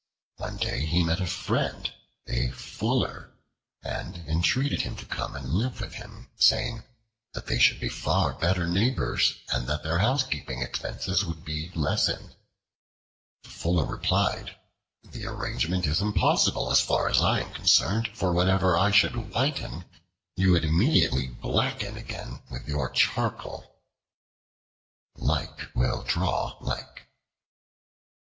One day he met a friend, a Fuller, and entreated him to come and live with him, saying that they should be far better neighbors and that their housekeeping expenses would be lessened. The Fuller replied, "The arrangement is impossible as far as I am concerned, for whatever I should whiten, you would immediately blacken again with your charcoal." Like will draw like.